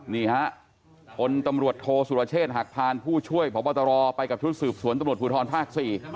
นี่ฮะพลตำรวจโทสุรเชษฐ์หักพานผู้ช่วยพบตรไปกับชุดสืบสวนตำรวจภูทรภาค๔